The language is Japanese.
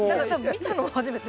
見たのも初めて。